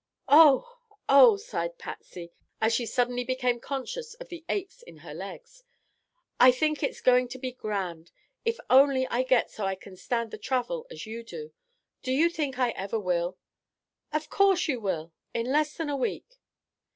"Oh! Oh!" sighed Patsy, as she suddenly became conscious of the aches in her legs. "I think it's going to be grand, if only I get so I can stand the travel as you do. Do you think I ever will?" "Of course you will—in less than a week."